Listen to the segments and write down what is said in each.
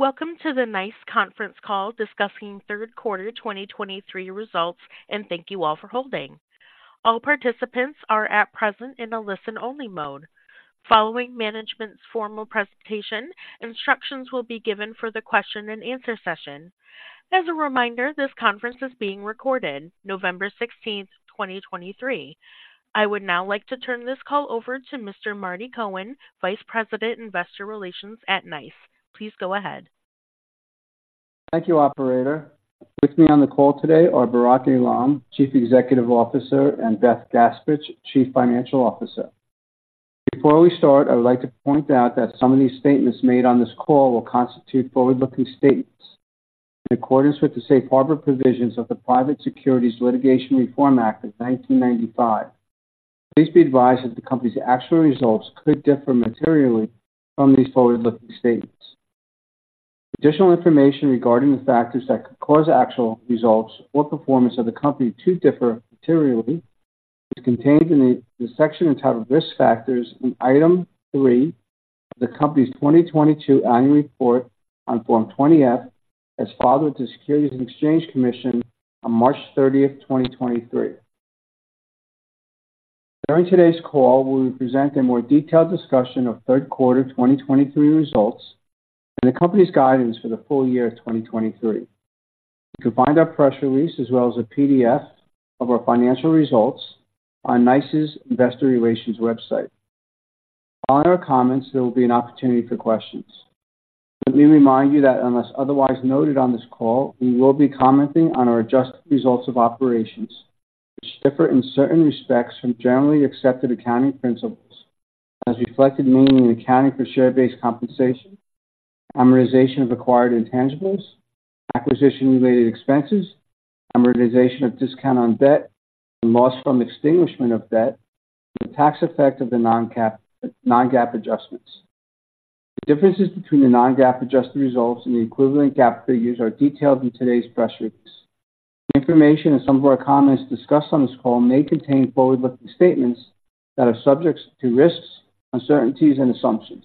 Welcome to the NICE conference call discussing third quarter 2023 results, and thank you all for holding. All participants are at present in a listen-only mode. Following management's formal presentation, instructions will be given for the question and answer session. As a reminder, this conference is being recorded, November 16, 2023. I would now like to turn this call over to Mr. Marty Cohen, Vice President, Investor Relations at NICE. Please go ahead. Thank you, operator. With me on the call today are Barak Eilam, Chief Executive Officer, and Beth Gaspich, Chief Financial Officer. Before we start, I would like to point out that some of these statements made on this call will constitute forward-looking statements. In accordance with the safe harbor provisions of the Private Securities Litigation Reform Act of 1995, please be advised that the company's actual results could differ materially from these forward-looking statements. Additional information regarding the factors that could cause actual results or performance of the company to differ materially is contained in the section entitled Risk Factors in Item 3 of the company's 2022 Annual Report on Form 20-F, as filed with the Securities and Exchange Commission on March 30, 2023. During today's call, we will present a more detailed discussion of third quarter 2023 results and the company's guidance for the full year of 2023. You can find our press release as well as a PDF of our financial results on NICE's Investor Relations website. Following our comments, there will be an opportunity for questions. Let me remind you that unless otherwise noted on this call, we will be commenting on our adjusted results of operations, which differ in certain respects from generally accepted accounting principles, as reflected mainly in accounting for share-based compensation, amortization of acquired intangibles, acquisition-related expenses, amortization of discount on debt, and loss from extinguishment of debt, and the tax effect of the non-GAAP adjustments. The differences between the non-GAAP adjusted results and the equivalent GAAP figures are detailed in today's press release. The information and some of our comments discussed on this call may contain forward-looking statements that are subject to risks, uncertainties, and assumptions.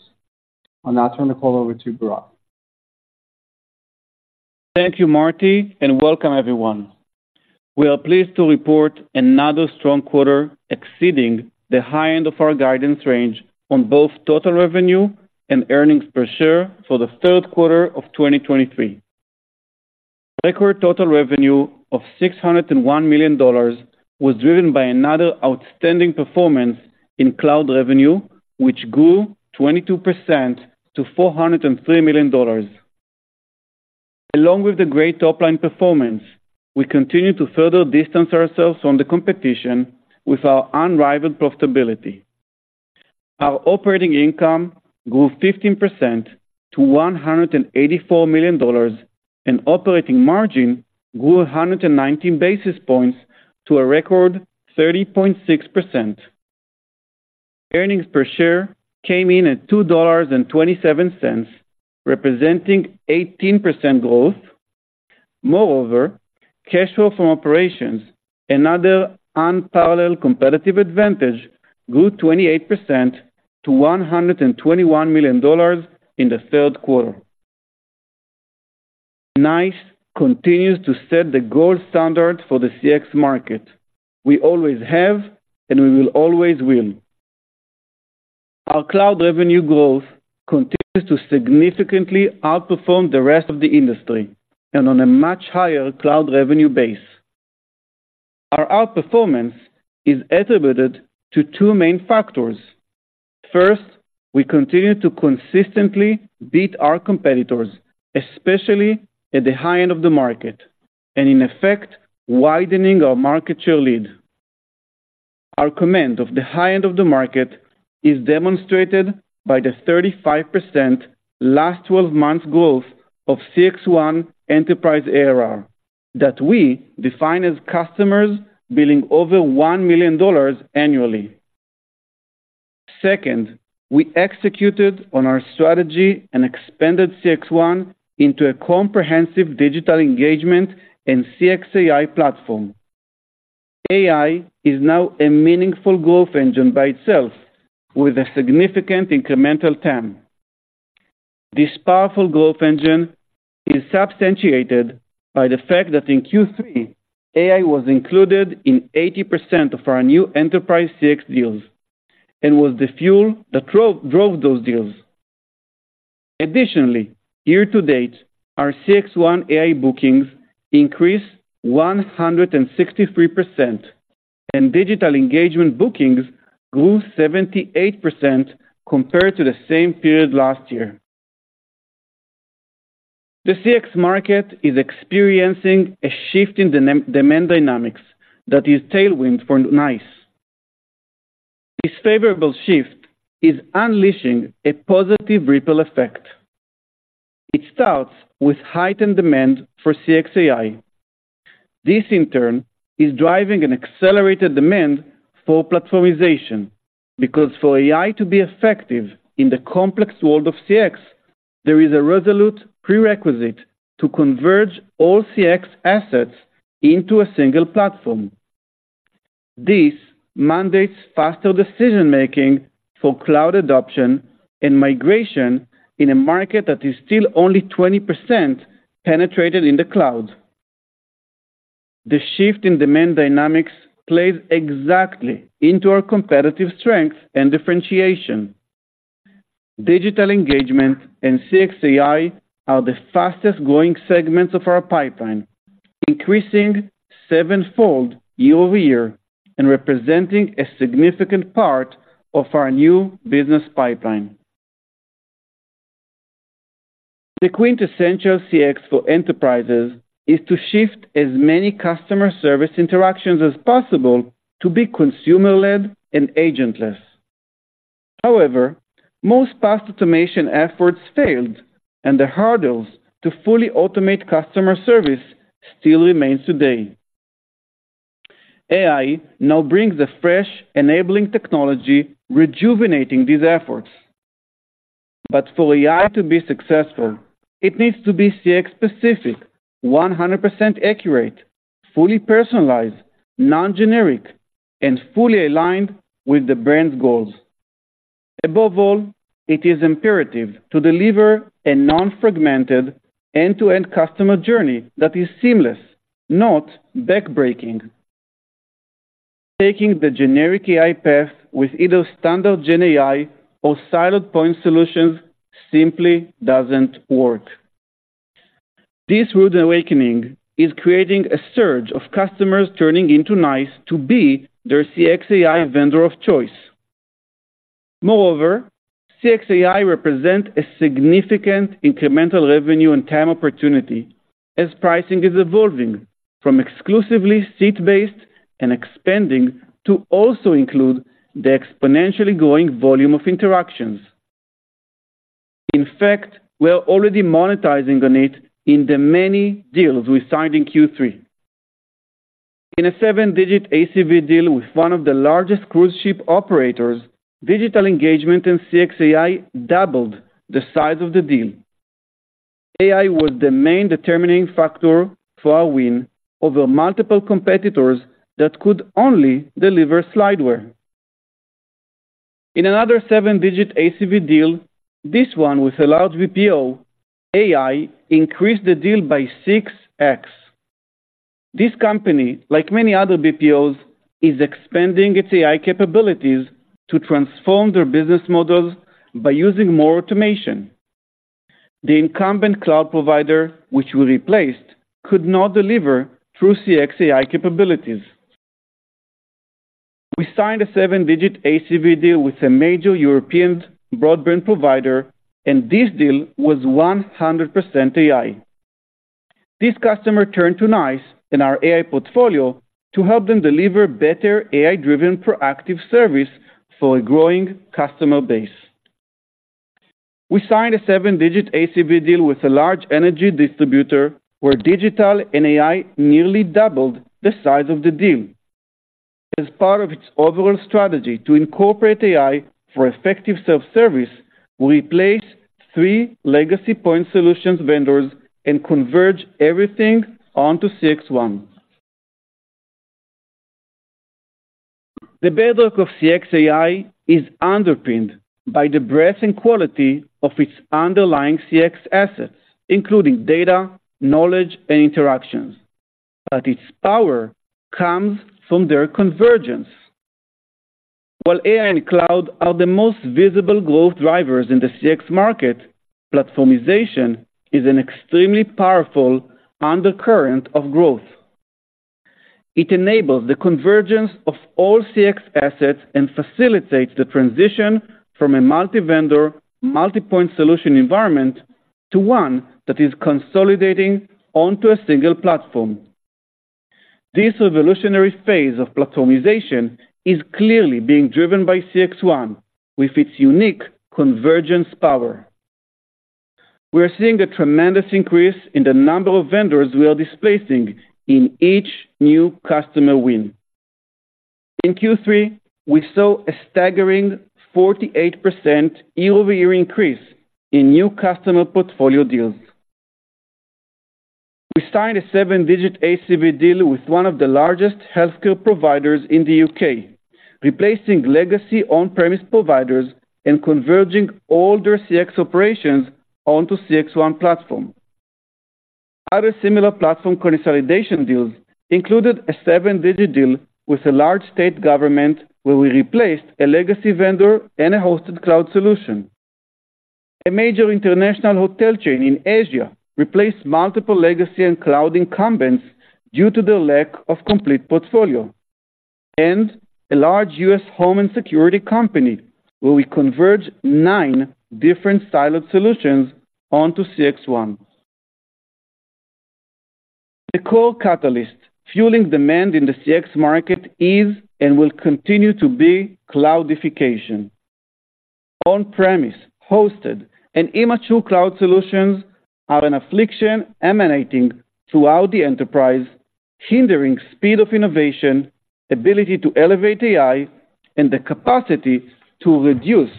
I'll now turn the call over to Barak. Thank you, Marty, and welcome everyone. We are pleased to report another strong quarter exceeding the high end of our guidance range on both total revenue and earnings per share for the third quarter of 2023. Record total revenue of $601 million was driven by another outstanding performance in cloud revenue, which grew 22% to $403 million. Along with the great top-line performance, we continue to further distance ourselves from the competition with our unrivaled profitability. Our operating income grew 15% to $184 million, and operating margin grew 119 basis points to a record 30.6%. Earnings per share came in at $2.27, representing 18% growth. Moreover, cash flow from operations, another unparalleled competitive advantage, grew 28% to $121 million in the third quarter. NICE continues to set the gold standard for the CX market. We always have, and we will always will. Our cloud revenue growth continues to significantly outperform the rest of the industry and on a much higher cloud revenue base. Our outperformance is attributed to two main factors. First, we continue to consistently beat our competitors, especially at the high end of the market, and in effect, widening our market share lead. Our command of the high end of the market is demonstrated by the 35% last twelve months growth of CXone Enterprise ARR, that we define as customers billing over $1 million annually. Second, we executed on our strategy and expanded CXone into a comprehensive digital engagement and CX AI platform. AI is now a meaningful growth engine by itself, with a significant incremental TAM. This powerful growth engine is substantiated by the fact that in Q3, AI was included in 80% of our new enterprise CX deals and was the fuel that drove those deals. Additionally, year to date, our CXone AI bookings increased 163%, and digital engagement bookings grew 78% compared to the same period last year. The CX market is experiencing a shift in demand dynamics that is tailwind for NICE. This favorable shift is unleashing a positive ripple effect. It starts with heightened demand for CX AI. This, in turn, is driving an accelerated demand for platformization, because for AI to be effective in the complex world of CX, there is a resolute prerequisite to converge all CX assets into a single platform. This mandates faster decision-making for cloud adoption and migration in a market that is still only 20% penetrated in the cloud. The shift in demand dynamics plays exactly into our competitive strength and differentiation. Digital engagement and CX AI are the fastest-growing segments of our pipeline, increasing sevenfold year-over-year and representing a significant part of our new business pipeline. The quintessential CX for enterprises is to shift as many customer service interactions as possible to be consumer-led and agentless. However, most past automation efforts failed, and the hurdles to fully automate customer service still remains today. AI now brings a fresh, enabling technology, rejuvenating these efforts. But for AI to be successful, it needs to be CX-specific, 100% accurate, fully personalized, non-generic, and fully aligned with the brand's goals. Above all, it is imperative to deliver a non-fragmented, end-to-end customer journey that is seamless, not back-breaking. Taking the generic AI path with either standard GenAI or siloed point solutions simply doesn't work. This rude awakening is creating a surge of customers turning into NICE to be their CX AI vendor of choice. Moreover, CX AI represent a significant incremental revenue and TAM opportunity as pricing is evolving from exclusively seat-based and expanding to also include the exponentially growing volume of interactions. In fact, we are already monetizing on it in the many deals we signed in Q3. In a seven-digit ACV deal with one of the largest cruise ship operators, digital engagement and CX AI doubled the size of the deal. AI was the main determining factor for our win over multiple competitors that could only deliver slideware. In another seven-digit ACV deal, this one with a large BPO, AI increased the deal by 6x. This company, like many other BPOs, is expanding its AI capabilities to transform their business models by using more automation. The incumbent cloud provider, which we replaced, could not deliver true CX AI capabilities. We signed a seven-digit ACV deal with a major European broadband provider, and this deal was 100% AI. This customer turned to NICE and our AI portfolio to help them deliver better AI-driven proactive service for a growing customer base. We signed a seven-digit ACV deal with a large energy distributor, where digital and AI nearly doubled the size of the deal. As part of its overall strategy to incorporate AI for effective self-service, we replaced three legacy point solutions vendors and converged everything onto CXone. The bedrock of CX AI is underpinned by the breadth and quality of its underlying CX assets, including data, knowledge, and interactions, but its power comes from their convergence. While AI and cloud are the most visible growth drivers in the CX market, platformization is an extremely powerful undercurrent of growth. It enables the convergence of all CX assets and facilitates the transition from a multi-vendor, multi-point solution environment to one that is consolidating onto a single platform. This revolutionary phase of platformization is clearly being driven by CXone, with its unique convergence power. We are seeing a tremendous increase in the number of vendors we are displacing in each new customer win. In Q3, we saw a staggering 48% year-over-year increase in new customer portfolio deals. We signed a seven-digit ACV deal with one of the largest healthcare providers in the UK, replacing legacy on-premise providers and converging all their CX operations onto CXone platform. Other similar platform consolidation deals included a seven-digit deal with a large state government, where we replaced a legacy vendor and a hosted cloud solution. A major international hotel chain in Asia replaced multiple legacy and cloud incumbents due to their lack of complete portfolio, and a large U.S. home and security company, where we converged nine different siloed solutions onto CXone. The core catalyst fueling demand in the CX market is, and will continue to be, cloudification. On-premise, hosted, and immature cloud solutions are an affliction emanating throughout the enterprise, hindering speed of innovation, ability to elevate AI, and the capacity to reduce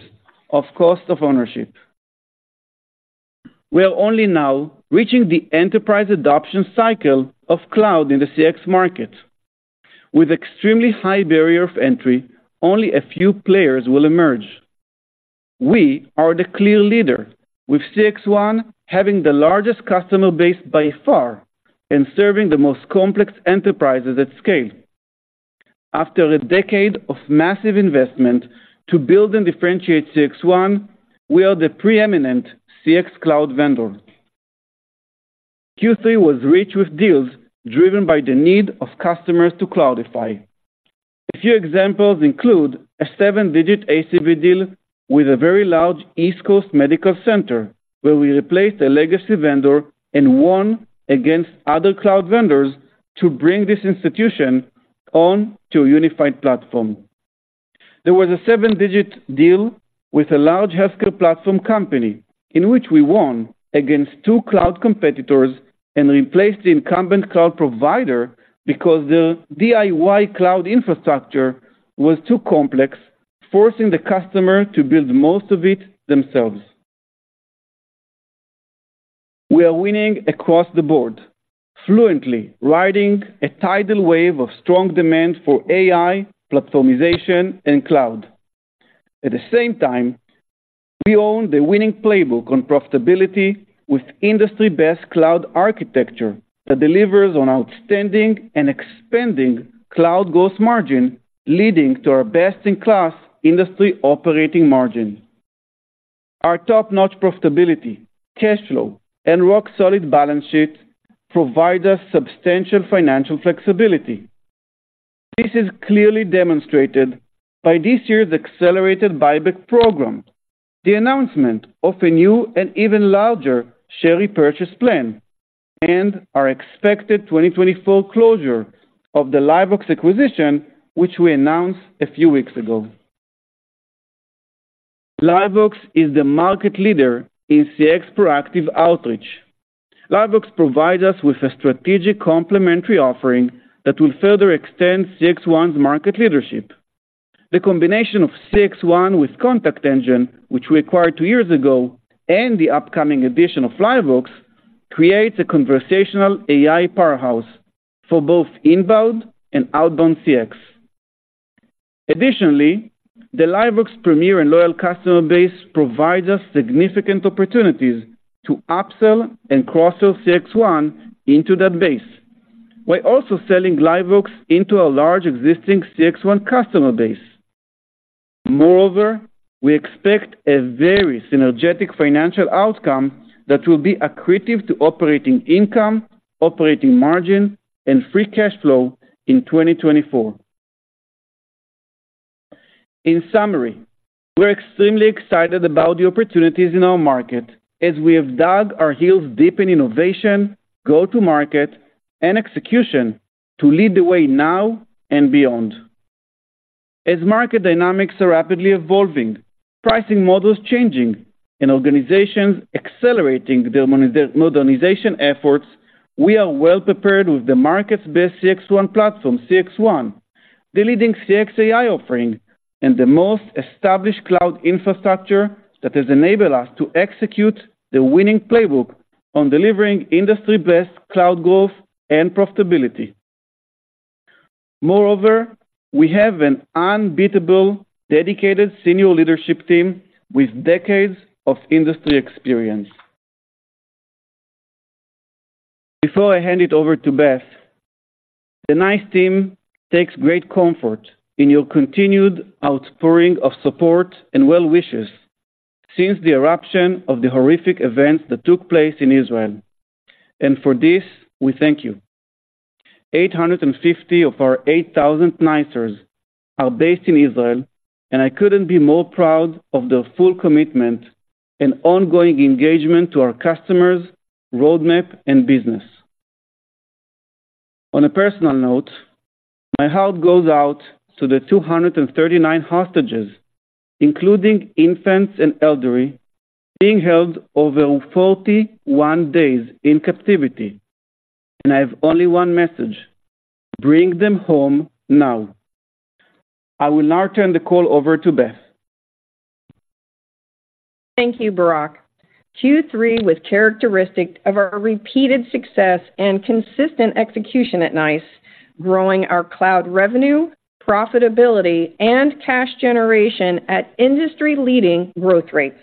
the cost of ownership. We are only now reaching the enterprise adoption cycle of cloud in the CX market. With extremely high barrier of entry, only a few players will emerge. We are the clear leader, with CXone having the largest customer base by far and serving the most complex enterprises at scale. After a decade of massive investment to build and differentiate CXone, we are the preeminent CX cloud vendor. Q3 was rich with deals driven by the need of customers to cloudify. A few examples include a seven-digit ACV deal with a very large East Coast medical center, where we replaced a legacy vendor and won against other cloud vendors to bring this institution on to a unified platform. There was a seven-digit deal with a large healthcare platform company, in which we won against two cloud competitors and replaced the incumbent cloud provider because their DIY cloud infrastructure was too complex, forcing the customer to build most of it themselves. We are winning across the board, fluently riding a tidal wave of strong demand for AI, platformization, and cloud. At the same time, we own the winning playbook on profitability with industry-best cloud architecture that delivers on outstanding and expanding cloud gross margin, leading to our best-in-class industry operating margin. Our top-notch profitability, cash flow, and rock-solid balance sheet provide us substantial financial flexibility. This is clearly demonstrated by this year's accelerated buyback program, the announcement of a new and even larger share repurchase plan, and our expected 2024 closure of the LiveVox acquisition, which we announced a few weeks ago. LiveVox is the market leader in CX proactive outreach. LiveVox provides us with a strategic complementary offering that will further extend CXone's market leadership. The combination of CXone with ContactEngine, which we acquired two years ago, and the upcoming addition of LiveVox, creates a conversational AI powerhouse for both inbound and outbound CX. Additionally, the LiveVox premier and loyal customer base provides us significant opportunities to upsell and cross-sell CXone into that base, while also selling LiveVox into our large existing CXone customer base. Moreover, we expect a very synergetic financial outcome that will be accretive to operating income, operating margin, and free cash flow in 2024. In summary, we're extremely excited about the opportunities in our market as we have dug our heels deep in innovation, go-to-market, and execution to lead the way now and beyond. As market dynamics are rapidly evolving, pricing models changing, and organizations accelerating their modernization efforts, we are well-prepared with the market's best CXone platform, CXone, the leading CX AI offering, and the most established cloud infrastructure that has enabled us to execute the winning playbook on delivering industry-best cloud growth and profitability. Moreover, we have an unbeatable, dedicated senior leadership team with decades of industry experience. Before I hand it over to Beth, the NICE team takes great comfort in your continued outpouring of support and well wishes since the eruption of the horrific events that took place in Israel, and for this, we thank you. 850 of our 8,000 Nicers are based in Israel, and I couldn't be more proud of their full commitment and ongoing engagement to our customers, roadmap, and business. On a personal note, my heart goes out to the 239 hostages, including infants and elderly, being held over 41 days in captivity, and I have only one message: Bring them home now. I will now turn the call over to Beth. Thank you, Barak. Q3 was characteristic of our repeated success and consistent execution at NICE, growing our cloud revenue, profitability, and cash generation at industry-leading growth rates.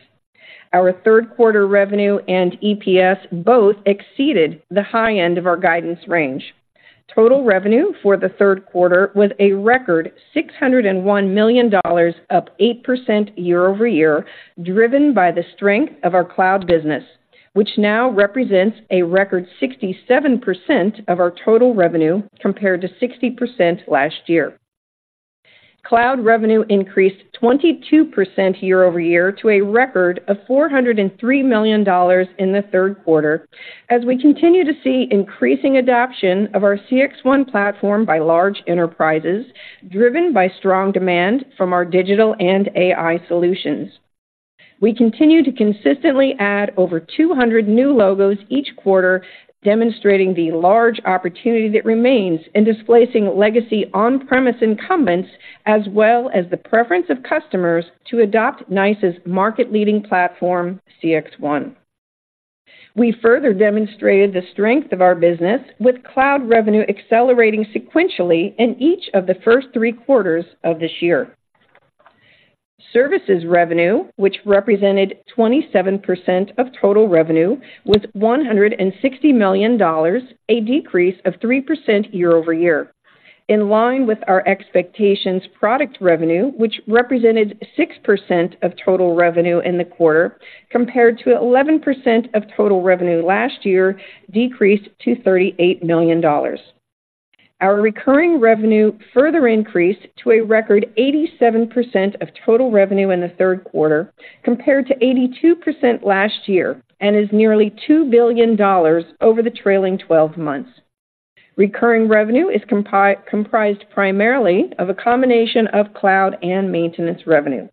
Our third quarter revenue and EPS both exceeded the high end of our guidance range. Total revenue for the third quarter was a record $601 million, up 8% year-over-year, driven by the strength of our cloud business, which now represents a record 67% of our total revenue, compared to 60% last year. Cloud revenue increased 22% year-over-year to a record of $403 million in the third quarter, as we continue to see increasing adoption of our CXone platform by large enterprises, driven by strong demand from our digital and AI solutions. We continue to consistently add over 200 new logos each quarter, demonstrating the large opportunity that remains in displacing legacy on-premise incumbents, as well as the preference of customers to adopt NICE's market-leading platform, CXone. We further demonstrated the strength of our business, with cloud revenue accelerating sequentially in each of the first three quarters of this year. Services revenue, which represented 27% of total revenue, was $160 million, a decrease of 3% year-over-year. In line with our expectations, product revenue, which represented 6% of total revenue in the quarter, compared to 11% of total revenue last year, decreased to $38 million. Our recurring revenue further increased to a record 87% of total revenue in the third quarter, compared to 82% last year, and is nearly $2 billion over the trailing twelve months. Recurring revenue is comprised primarily of a combination of cloud and maintenance revenue.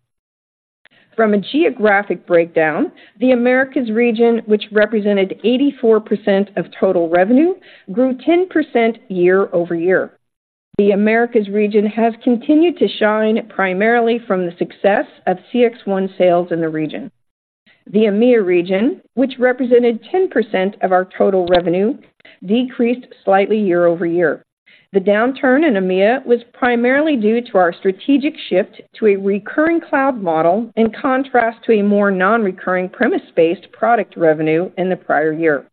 From a geographic breakdown, the Americas region, which represented 84% of total revenue, grew 10% year-over-year. The Americas region has continued to shine, primarily from the success of CXone sales in the region. The EMEA region, which represented 10% of our total revenue, decreased slightly year-over-year. The downturn in EMEA was primarily due to our strategic shift to a recurring cloud model, in contrast to a more non-recurring premise-based product revenue in the prior year.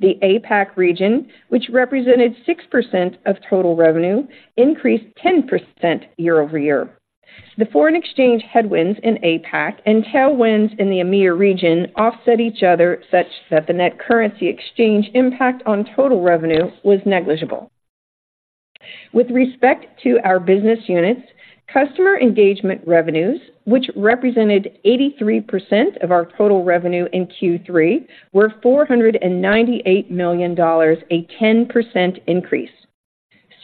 The APAC region, which represented 6% of total revenue, increased 10% year-over-year. The foreign exchange headwinds in APAC and tailwinds in the EMEA region offset each other, such that the net currency exchange impact on total revenue was negligible. With respect to our business units, Customer Engagement revenues, which represented 83% of our total revenue in Q3, were $498 million, a 10% increase.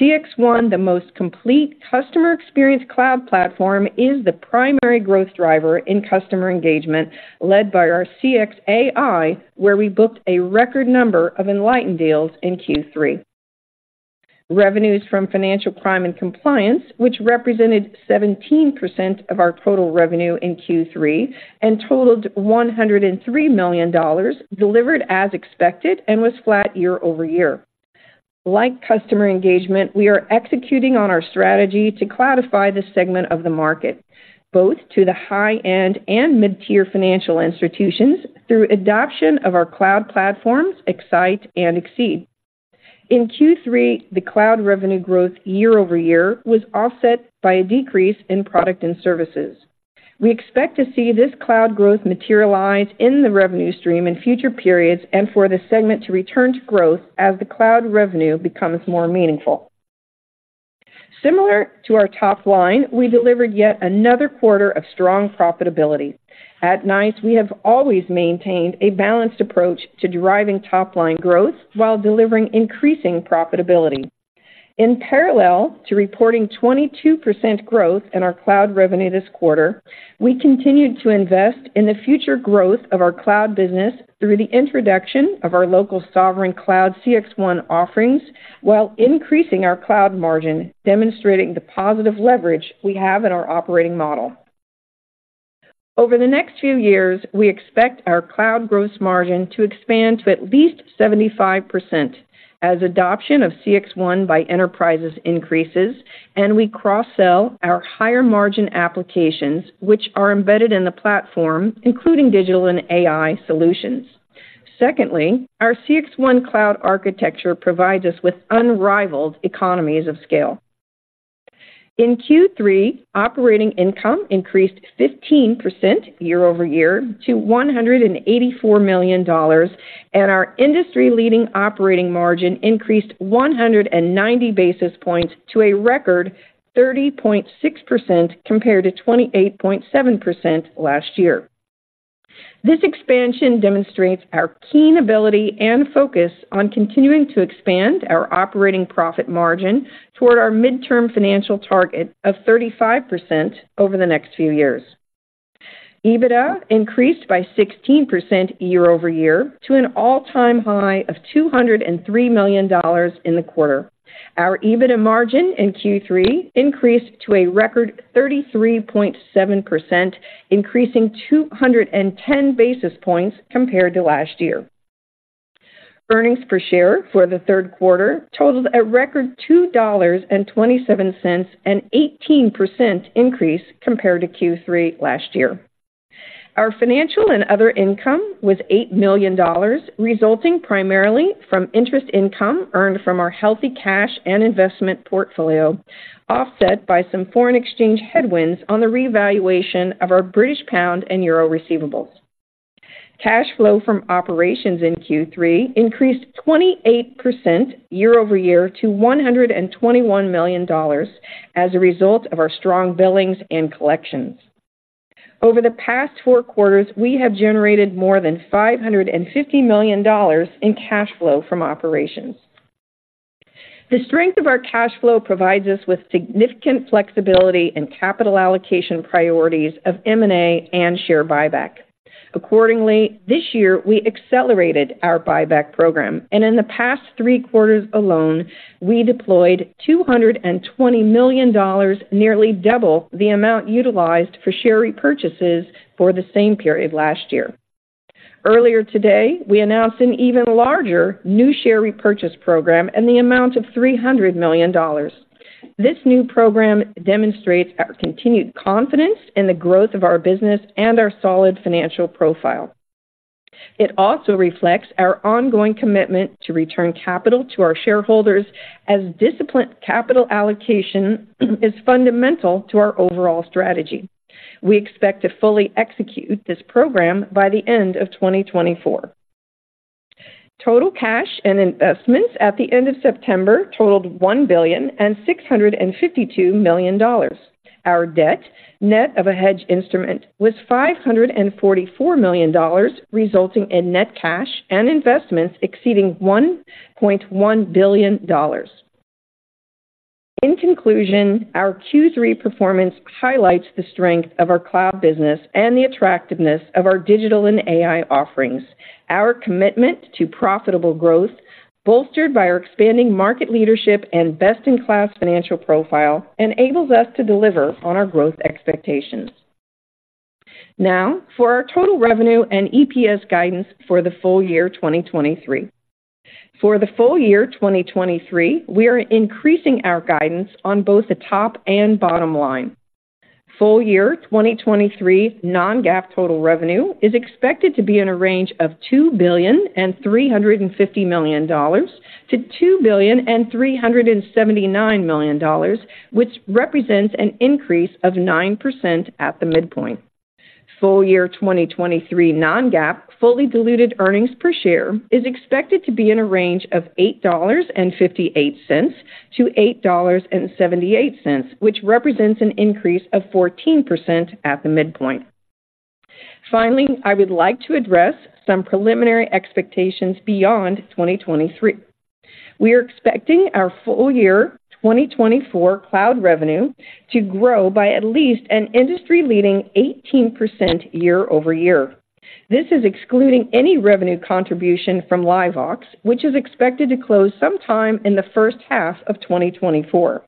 CXone, the most complete customer experience cloud platform, is the primary growth driver in Customer Engagement, led by our CX AI, where we booked a record number of Enlighten deals in Q3. Revenues from Financial Crime and Compliance, which represented 17% of our total revenue in Q3 and totaled $103 million, delivered as expected and was flat year-over-year. Like Customer Engagement, we are executing on our strategy to cloudify this segment of the market, both to the high-end and mid-tier financial institutions, through adoption of our cloud platforms, X-Sight and X-ceed. In Q3, the cloud revenue growth year-over-year was offset by a decrease in product and services. We expect to see this cloud growth materialize in the revenue stream in future periods and for the segment to return to growth as the cloud revenue becomes more meaningful. Similar to our top line, we delivered yet another quarter of strong profitability. At NICE, we have always maintained a balanced approach to deriving top-line growth while delivering increasing profitability. In parallel to reporting 22% growth in our cloud revenue this quarter, we continued to invest in the future growth of our cloud business through the introduction of our local sovereign cloud CXone offerings, while increasing our cloud margin, demonstrating the positive leverage we have in our operating model. Over the next few years, we expect our cloud gross margin to expand to at least 75% as adoption of CXone by enterprises increases and we cross-sell our higher-margin applications, which are embedded in the platform, including digital and AI solutions. Secondly, our CXone cloud architecture provides us with unrivaled economies of scale. In Q3, operating income increased 15% year-over-year to $184 million, and our industry-leading operating margin increased 190 basis points to a record 30.6%, compared to 28.7% last year. This expansion demonstrates our keen ability and focus on continuing to expand our operating profit margin toward our midterm financial target of 35% over the next few years. EBITDA increased by 16% year-over-year to an all-time high of $203 million in the quarter. Our EBITDA margin in Q3 increased to a record 33.7%, increasing 210 basis points compared to last year. Earnings per share for the third quarter totaled a record $2.27, an 18% increase compared to Q3 last year. Our financial and other income was $8 million, resulting primarily from interest income earned from our healthy cash and investment portfolio, offset by some foreign exchange headwinds on the revaluation of our British pound and euro receivables. Cash flow from operations in Q3 increased 28% year-over-year to $121 million as a result of our strong billings and collections. Over the past four quarters, we have generated more than $550 million in cash flow from operations. The strength of our cash flow provides us with significant flexibility in capital allocation priorities of M&A and share buyback. Accordingly, this year, we accelerated our buyback program, and in the past three quarters alone, we deployed $220 million, nearly double the amount utilized for share repurchases for the same period last year. Earlier today, we announced an even larger new share repurchase program in the amount of $300 million. This new program demonstrates our continued confidence in the growth of our business and our solid financial profile. It also reflects our ongoing commitment to return capital to our shareholders, as disciplined capital allocation is fundamental to our overall strategy. We expect to fully execute this program by the end of 2024. Total cash and investments at the end of September totaled $1.652 billion. Our debt, net of a hedge instrument, was $544 million, resulting in net cash and investments exceeding $1.1 billion. In conclusion, our Q3 performance highlights the strength of our cloud business and the attractiveness of our digital and AI offerings. Our commitment to profitable growth, bolstered by our expanding market leadership and best-in-class financial profile, enables us to deliver on our growth expectations. Now, for our total revenue and EPS guidance for the full year 2023. For the full year 2023, we are increasing our guidance on both the top and bottom line. Full year 2023 non-GAAP total revenue is expected to be in a range of $2.35 billion-$2.379 billion, which represents an increase of 9% at the midpoint. Full year 2023 non-GAAP, fully diluted earnings per share is expected to be in a range of $8.58-$8.78, which represents an increase of 14% at the midpoint. Finally, I would like to address some preliminary expectations beyond 2023. We are expecting our full year 2024 cloud revenue to grow by at least an industry-leading 18% year-over-year. This is excluding any revenue contribution from LiveVox, which is expected to close sometime in the first half of 2024.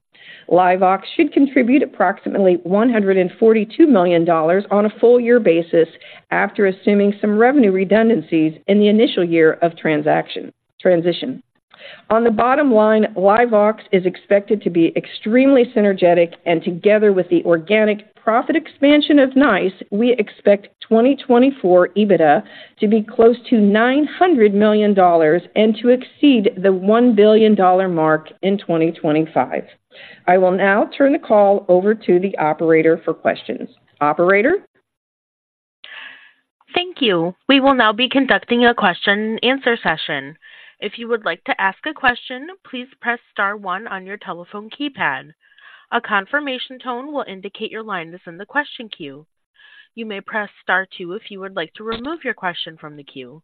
LiveVox should contribute approximately $142 million on a full year basis, after assuming some revenue redundancies in the initial year of transaction transition. On the bottom line, LiveVox is expected to be extremely synergistic, and together with the organic profit expansion of NICE, we expect 2024 EBITDA to be close to $900 million and to exceed the $1 billion mark in 2025. I will now turn the call over to the operator for questions. Operator? Thank you. We will now be conducting a question and answer session. If you would like to ask a question, please press star one on your telephone keypad. A confirmation tone will indicate your line is in the question queue. You may press star two if you would like to remove your question from the queue.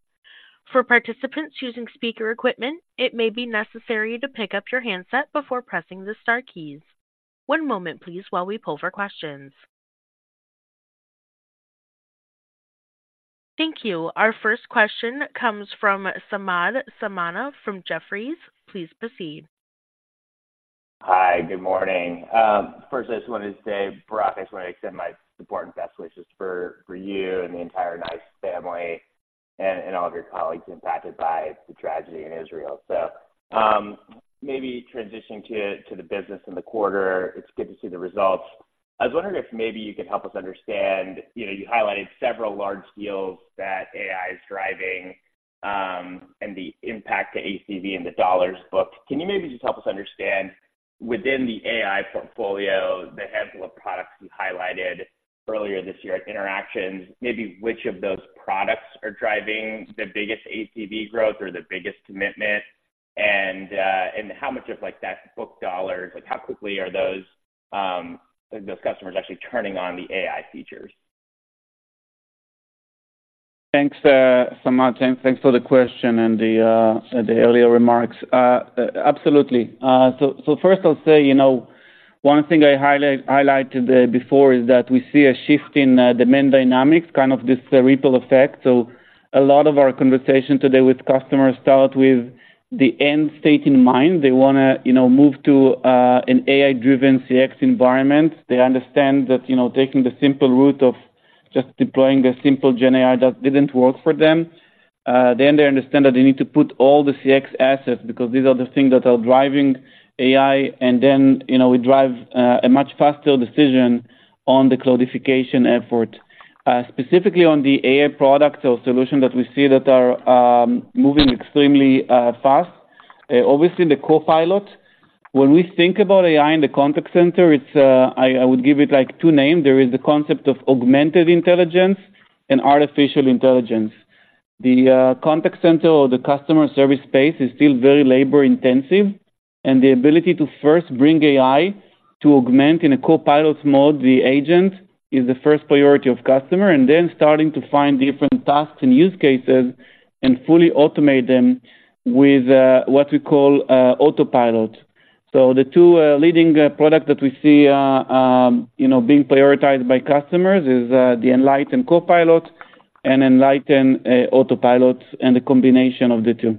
For participants using speaker equipment, it may be necessary to pick up your handset before pressing the star keys. One moment, please, while we pull for questions. Thank you. Our first question comes from Samad Samana from Jefferies. Please proceed. Hi, good morning. Firstly, I just wanted to say, Barak, I just want to extend my support and best wishes for, for you and the entire NICE family and, and all of your colleagues impacted by the tragedy in Israel. So, maybe transitioning to, to the business in the quarter, it's good to see the results. I was wondering if maybe you could help us understand... You know, you highlighted several large deals that AI is driving, and the impact to ACV and the dollars booked. Can you maybe just help us understand, within the AI portfolio, the handful of products you highlighted earlier this year at Interactions, maybe which of those products are driving the biggest ACV growth or the biggest commitment? And, and how much of like that book dollars, like how quickly are those, those customers actually turning on the AI features? Thanks, Samad, and thanks for the question and the earlier remarks. Absolutely. So first I'll say, you know, one thing I highlighted before is that we see a shift in demand dynamics, kind of this ripple effect. So a lot of our conversation today with customers start with the end state in mind. They wanna, you know, move to an AI-driven CX environment. They understand that, you know, taking the simple route of just deploying a simple GenAI that didn't work for them. Then they understand that they need to put all the CX assets, because these are the things that are driving AI, and then, you know, we drive a much faster decision on the cloudification effort. Specifically on the AI products or solutions that we see that are moving extremely fast. Obviously, the Copilot. When we think about AI in the contact center, it's, I would give it, like, two names. There is the concept of augmented intelligence and artificial intelligence. The contact center or the customer service space is still very labor-intensive, and the ability to first bring AI to augment in a Copilot mode, the agent, is the first priority of customer, and then starting to find different tasks and use cases and fully automate them with what we call Autopilot. So the two leading products that we see, you know, being prioritized by customers is the Enlighten Copilot and Enlighten Autopilot, and the combination of the two.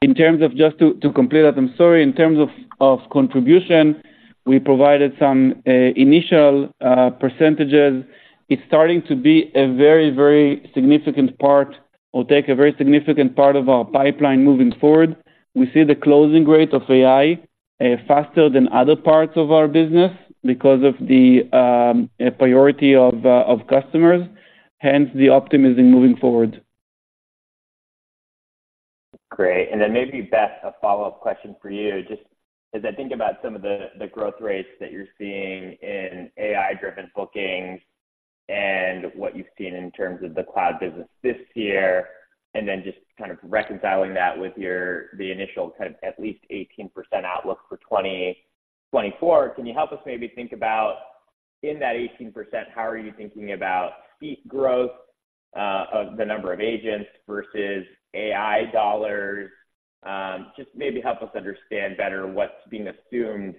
In terms of, just to complete that, I'm sorry. In terms of contribution, we provided some initial percentages. It's starting to be a very, very significant part, or take a very significant part of our pipeline moving forward. We see the closing rate of AI faster than other parts of our business because of the priority of customers, hence the optimism moving forward. Great. Then maybe, Beth, a follow-up question for you. Just as I think about some of the growth rates that you're seeing in AI-driven bookings and what you've seen in terms of the cloud business this year, and then just kind of reconciling that with your—the initial kind of at least 18% outlook for 2024, can you help us maybe think about in that 18%, how are you thinking about seat growth of the number of agents versus AI dollars? Just maybe help us understand better what's being assumed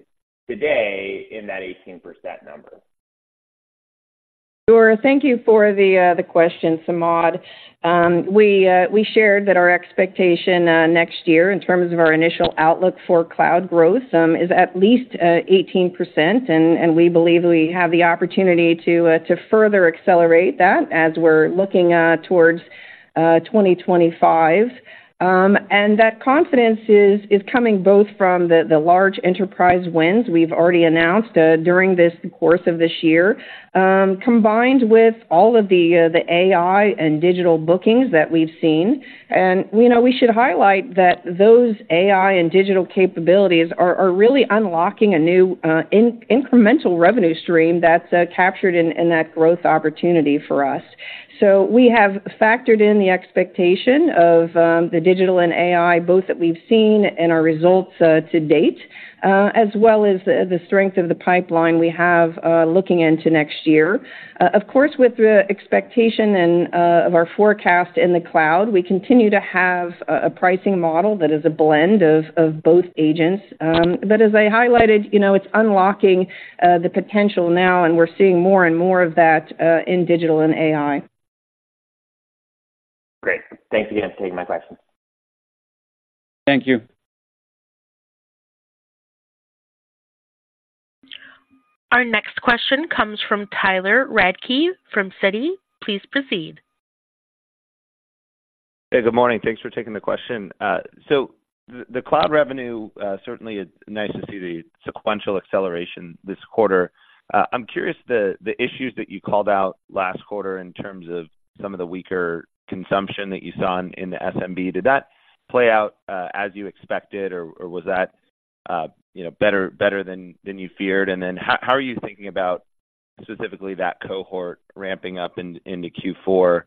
today in that 18% number. Sure. Thank you for the question, Samad. We shared that our expectation next year in terms of our initial outlook for cloud growth is at least 18%, and we believe we have the opportunity to further accelerate that as we're looking towards 2025. And that confidence is coming both from the large enterprise wins we've already announced during this course of this year combined with all of the the AI and digital bookings that we've seen. And, you know, we should highlight that those AI and digital capabilities are really unlocking a new incremental revenue stream that's captured in that growth opportunity for us. We have factored in the expectation of the digital and AI, both that we've seen in our results to date, as well as the the strength of the pipeline we have looking into next year. Of course, with the expectation and of our forecast in the cloud, we continue to have a a pricing model that is a blend of of both agents. But as I highlighted, you know, it's unlocking the potential now, and we're seeing more and more of that in digital and AI. Great. Thanks again for taking my question. Thank you. Our next question comes from Tyler Radke, from Citi. Please proceed. Hey, good morning. Thanks for taking the question. So the cloud revenue, certainly it's nice to see the sequential acceleration this quarter. I'm curious, the issues that you called out last quarter in terms of some of the weaker consumption that you saw in the SMB, did that play out as you expected, or was that, you know, better than you feared? And then how are you thinking about specifically that cohort ramping up into Q4,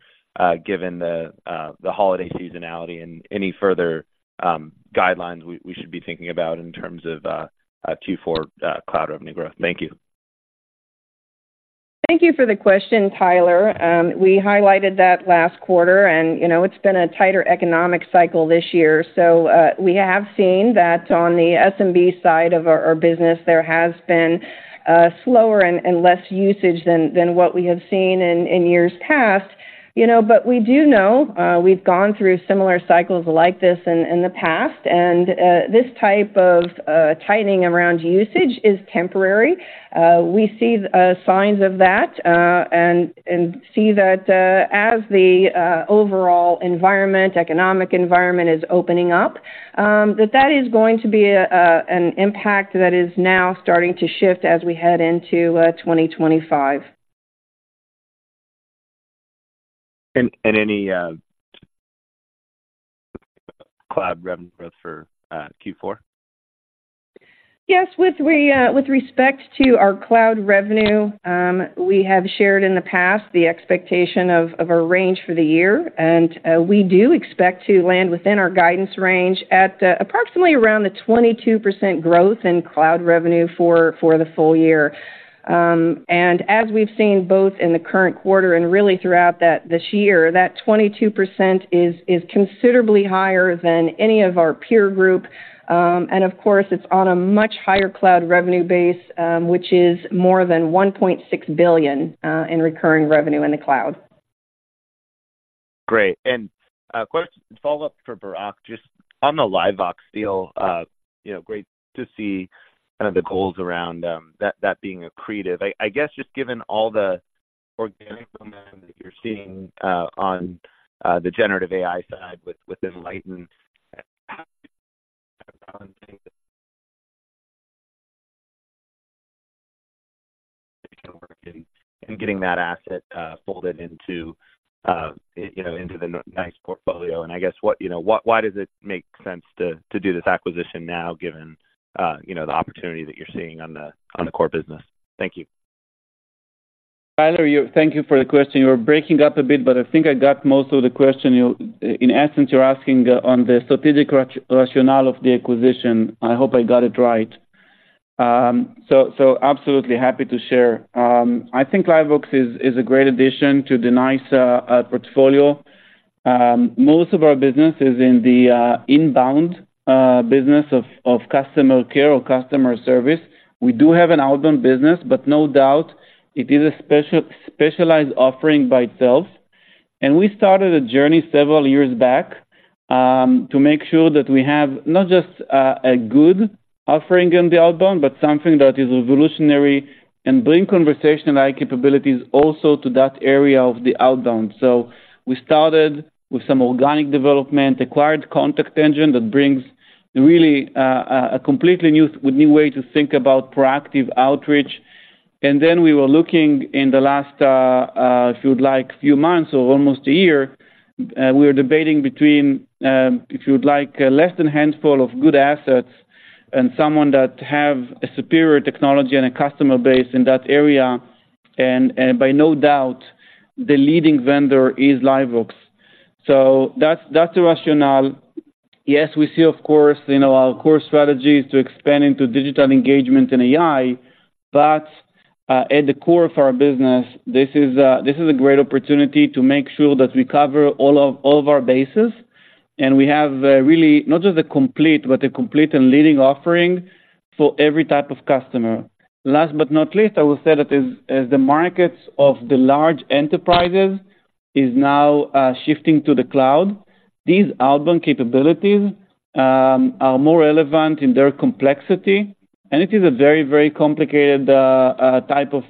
given the holiday seasonality and any further guidelines we should be thinking about in terms of Q4 cloud revenue growth? Thank you. Thank you for the question, Tyler. We highlighted that last quarter and, you know, it's been a tighter economic cycle this year. So, we have seen that on the SMB side of our business, there has been slower and less usage than what we have seen in years past. You know, but we do know, we've gone through similar cycles like this in the past, and this type of tightening around usage is temporary. We see signs of that and see that as the overall economic environment is opening up, that that is going to be an impact that is now starting to shift as we head into 2025. Any cloud revenue growth for Q4? Yes. With respect to our cloud revenue, we have shared in the past the expectation of a range for the year, and we do expect to land within our guidance range at approximately around the 22% growth in cloud revenue for the full year. And as we've seen both in the current quarter and really throughout this year, that 22% is considerably higher than any of our peer group. And of course, it's on a much higher cloud revenue base, which is more than $1.6 billion in recurring revenue in the cloud. Great. And, quick follow-up for Barak, just on the LiveVox deal, you know, great to see kind of the goals around, that, that being accretive. I, I guess just given all the organic demand that you're seeing, on, the generative AI side with, with Enlighten, and getting that asset, folded into, you know, into the NICE portfolio. And I guess what, you know, what- why does it make sense to, to do this acquisition now, given, you know, the opportunity that you're seeing on the, on the core business? Thank you. Tyler, thank you for the question. You were breaking up a bit, but I think I got most of the question. You, in essence, you're asking on the strategic rationale of the acquisition. I hope I got it right. So, so absolutely happy to share. I think LiveVox is a great addition to the NICE portfolio. Most of our business is in the inbound business of customer care or customer service. We do have an outbound business, but no doubt it is a specialized offering by itself. And we started a journey several years back to make sure that we have not just a good offering on the outbound, but something that is revolutionary and bring conversational AI capabilities also to that area of the outbound. So we started with some organic development, acquired ContactEngine that brings really a completely new, new way to think about proactive outreach. And then we were looking in the last, if you would like, few months or almost a year, we were debating between, if you would like, less than handful of good assets and someone that have a superior technology and a customer base in that area. And, and by no doubt, the leading vendor is LiveVox. So that's, that's the rationale. Yes, we see, of course, in our core strategy is to expand into digital engagement and AI, but at the core of our business, this is a great opportunity to make sure that we cover all of, all of our bases, and we have really not just a complete, but a complete and leading offering for every type of customer. Last but not least, I will say that as the markets of the large enterprises is now shifting to the cloud, these outbound capabilities are more relevant in their complexity, and it is a very, very complicated type of,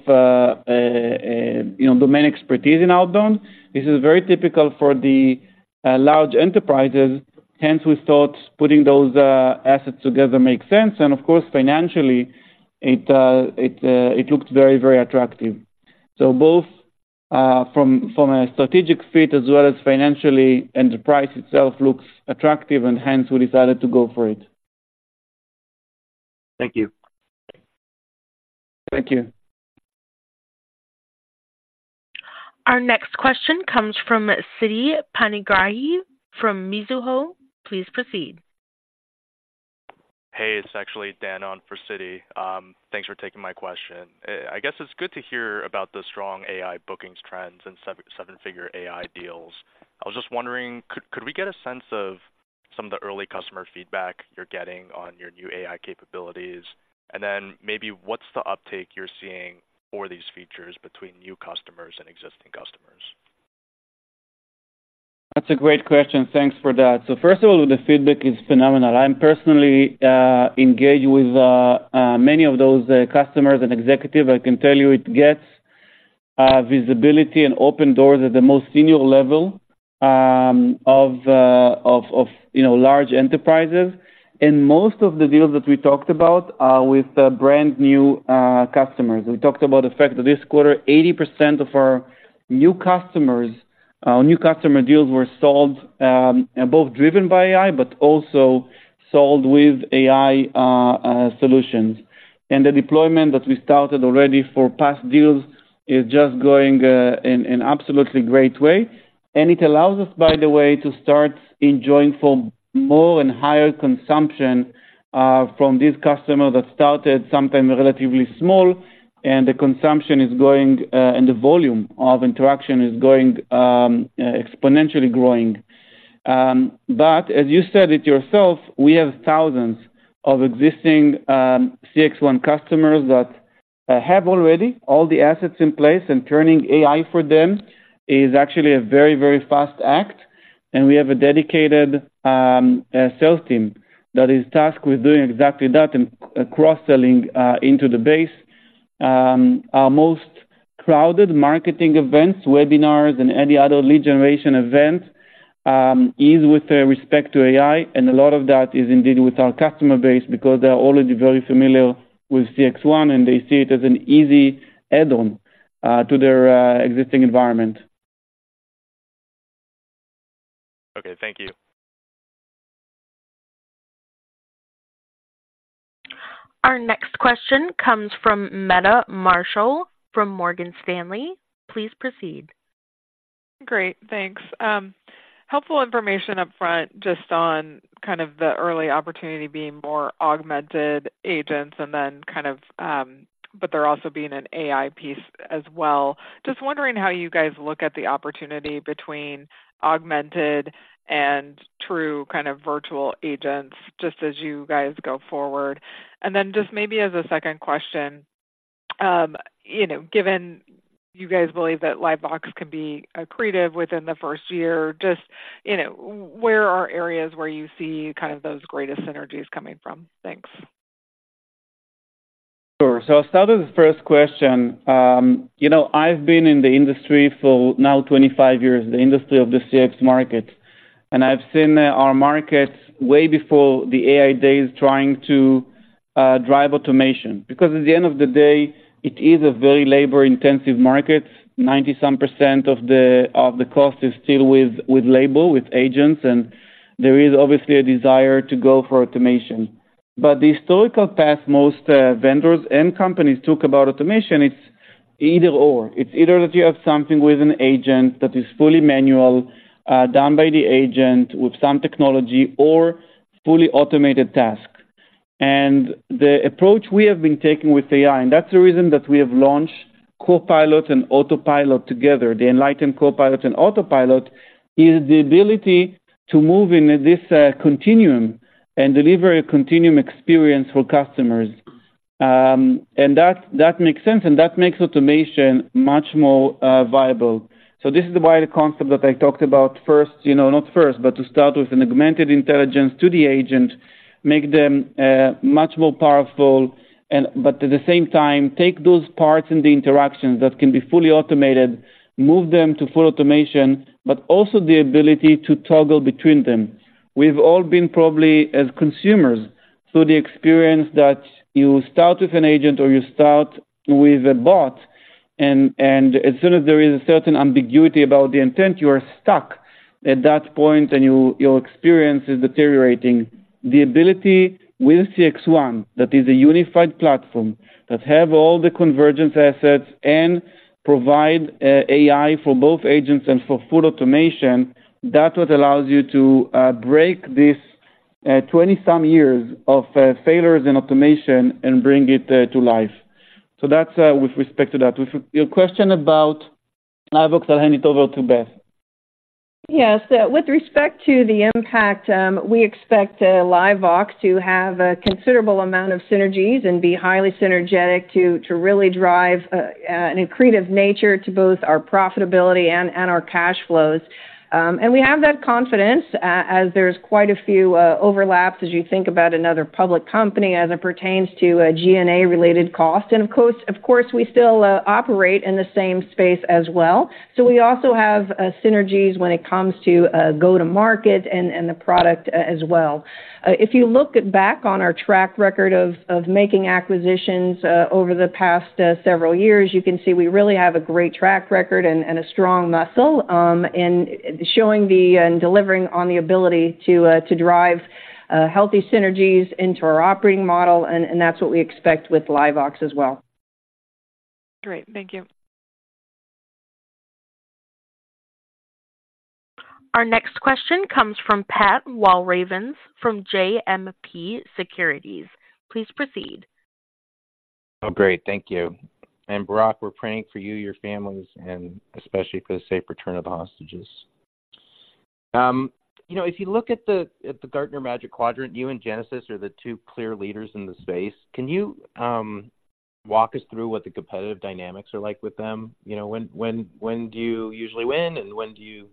you know, domain expertise in outbound. This is very typical for the large enterprises. Hence, we thought putting those assets together makes sense. And of course, financially, it looked very, very attractive. So both from a strategic fit as well as financially, enterprise itself looks attractive and hence we decided to go for it. Thank you. Thank you. Our next question comes from Siti Panigrahi from Mizuho. Please proceed. Hey, it's actually Dan on for Siddhi. Thanks for taking my question. I guess it's good to hear about the strong AI bookings trends and seven-figure AI deals. I was just wondering, could we get a sense of some of the early customer feedback you're getting on your new AI capabilities? And then maybe what's the uptake you're seeing for these features between new customers and existing customers? That's a great question. Thanks for that. So first of all, the feedback is phenomenal. I'm personally engaged with many of those customers and executives. I can tell you it gets visibility and open doors at the most senior level of you know, large enterprises. And most of the deals that we talked about are with brand-new customers. We talked about the fact that this quarter, 80% of our new customers new customer deals were sold both driven by AI, but also sold with AI solutions. And the deployment that we started already for past deals is just going in an absolutely great way. And it allows us, by the way, to start enjoying for more and higher consumption from these customers that started sometime relatively small, and the consumption is going, and the volume of interaction is going, exponentially growing. But as you said it yourself, we have thousands of existing CXone customers that have already all the assets in place, and turning AI for them is actually a very, very fast act. And we have a dedicated sales team that is tasked with doing exactly that and cross-selling into the base. Our most crowded marketing events, webinars, and any other lead generation events is with respect to AI, and a lot of that is indeed with our customer base because they are already very familiar with CXone, and they see it as an easy add-on to their existing environment. Okay, thank you. Our next question comes from Meta Marshall from Morgan Stanley. Please proceed. Great, thanks. Helpful information up front, just on kind of the early opportunity being more augmented agents and then kind of, but there also being an AI piece as well. Just wondering how you guys look at the opportunity between augmented and true kind of virtual agents, just as you guys go forward. And then just maybe as a second question, you know, given you guys believe that LiveVox can be accretive within the first year, just, you know, where are areas where you see kind of those greatest synergies coming from? Thanks. Sure. So I'll start with the first question. You know, I've been in the industry for now 25 years, the industry of the CX market, and I've seen our markets way before the AI days trying to drive automation, because at the end of the day, it is a very labor-intensive market. 90-some% of the, of the cost is still with, with labor, with agents, and there is obviously a desire to go for automation. But the historical path most vendors and companies talk about automation, it's either/or. It's either that you have something with an agent that is fully manual, done by the agent with some technology or fully automated task. And the approach we have been taking with AI, and that's the reason that we have launched Copilot and Autopilot together, the Enlighten Copilot and Autopilot, is the ability to move in this continuum and deliver a continuum experience for customers. And that makes sense, and that makes automation much more viable. So this is why the concept that I talked about first, you know, not first, but to start with an augmented intelligence to the agent, make them much more powerful and, but at the same time, take those parts in the interactions that can be fully automated, move them to full automation, but also the ability to toggle between them. We've all been probably, as consumers, through the experience that you start with an agent or you start with a bot and as soon as there is a certain ambiguity about the intent, you are stuck at that point, and your experience is deteriorating. The ability with CXone, that is a unified platform, that have all the convergence assets and provide AI for both agents and for full automation, that's what allows you to break this 20-some years of failures in automation and bring it to life. So that's with respect to that. With your question about LiveVox, I'll hand it over to Beth. Yes. With respect to the impact, we expect LiveVox to have a considerable amount of synergies and be highly synergetic to really drive an accretive nature to both our profitability and our cash flows. And we have that confidence, as there's quite a few overlaps as you think about another public company, as it pertains to a G&A-related cost. And of course, we still operate in the same space as well. So we also have synergies when it comes to go-to-market and the product as well. If you look back on our track record of making acquisitions over the past several years, you can see we really have a great track record and a strong muscle in showing and delivering on the ability to drive healthy synergies into our operating model, and that's what we expect with LiveVox as well. Great. Thank you. Our next question comes from Pat Walravens, from JMP Securities. Please proceed. Oh, great. Thank you. And Barak, we're praying for you, your families, and especially for the safe return of the hostages. You know, if you look at the Gartner Magic Quadrant, you and Genesys are the two clear leaders in the space. Can you walk us through what the competitive dynamics are like with them? You know, when, when, when do you usually win, and when do you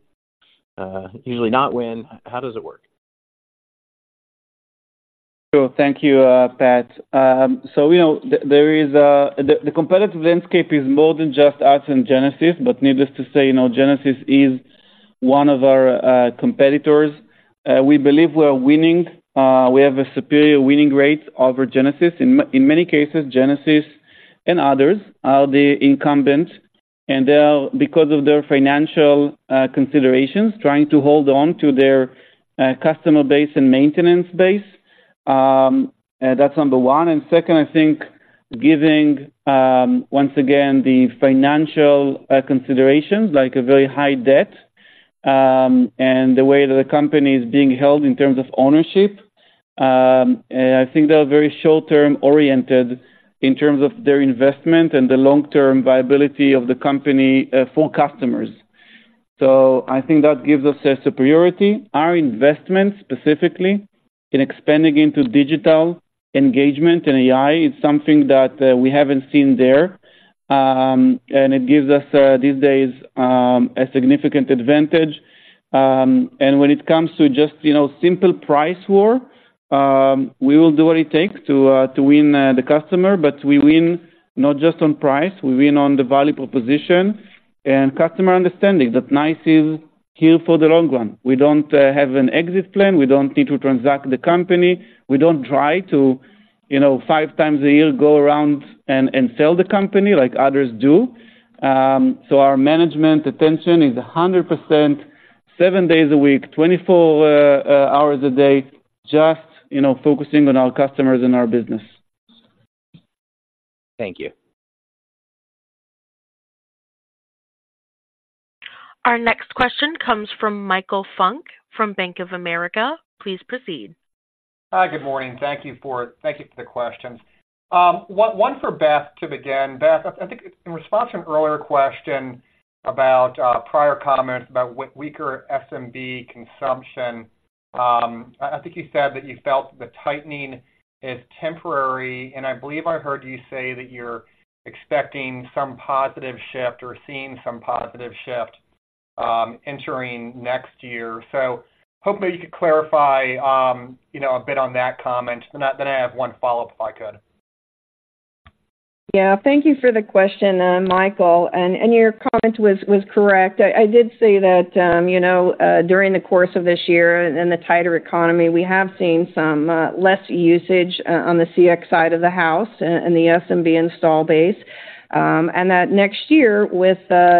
usually not win? How does it work? Sure. Thank you, Pat. So you know, there is the competitive landscape is more than just us and Genesys, but needless to say, you know, Genesys is one of our competitors. We believe we are winning. We have a superior winning rate over Genesys. In many cases, Genesys and others are the incumbents, and they are, because of their financial considerations, trying to hold on to their customer base and maintenance base. That's number one. Second, I think giving, once again, the financial considerations, like a very high debt, and the way that the company is being held in terms of ownership, I think they're very short-term oriented in terms of their investment and the long-term viability of the company, for customers. So I think that gives us a superiority. Our investment, specifically in expanding into digital engagement and AI, is something that we haven't seen there. It gives us these days a significant advantage. And when it comes to just, you know, simple price war, we will do what it takes to win the customer, but we win not just on price, we win on the value proposition and customer understanding that NICE is here for the long run. We don't have an exit plan. We don't need to transact the company. We don't try to, you know, five times a year, go around and sell the company like others do. So our management attention is 100%, seven days a week, 24 hours a day, just, you know, focusing on our customers and our business. Thank you. Our next question comes from Michael Funk, from Bank of America. Please proceed. Hi, good morning. Thank you for the questions. One for Beth to begin. Beth, I think in response to an earlier question about prior comments about weaker SMB consumption, I think you said that you felt the tightening is temporary, and I believe I heard you say that you're expecting some positive shift or seeing some positive shift entering next year. So hopefully, you could clarify, you know, a bit on that comment. Then I have one follow-up, if I could. Yeah, thank you for the question, Michael, and your comment was correct. I did say that, you know, during the course of this year and the tighter economy, we have seen some less usage on the CX side of the house and the SMB install base. And that next year, with,